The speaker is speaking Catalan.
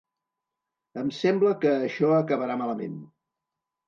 Em sembla que això acabarà malament.